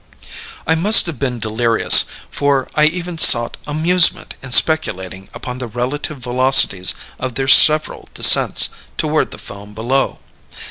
"I must have been delirious, for I even sought amusement in speculating upon the relative velocities of their several descents toward the foam below.